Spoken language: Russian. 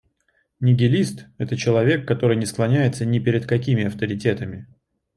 Нигилист - это человек, который не склоняется ни перед какими авторитетами